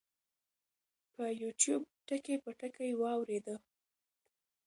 پۀ يو ټيوب ټکے پۀ ټکے واورېده -